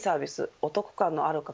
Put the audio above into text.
お得感のある価格